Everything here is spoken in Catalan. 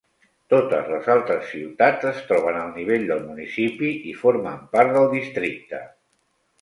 Totes les altres ciutats es troben al nivell del municipi i formen part del districte.